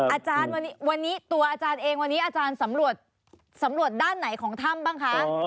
อาจารย์วันนี้ตัวอาจารย์เองวันนี้อาจารย์สำรวจด้านไหนของถ้ำบ้างคะ